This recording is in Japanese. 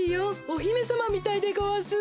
おひめさまみたいでごわす。